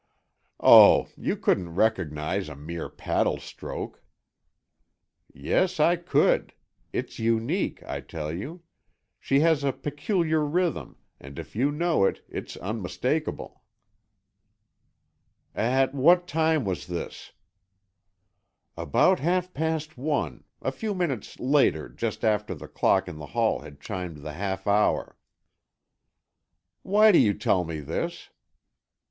"Oh, you couldn't recognize a mere paddle stroke!" "Yes, I could. It's unique, I tell you. She has a peculiar rhythm, and if you know it, it's unmistakable." "At what time was this?" "About half past one; a few minutes later, just after the clock in the hall had chimed the half hour." "Why do you tell me this?"